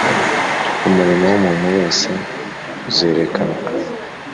umurimo w'umuntu wese uzerekanwa.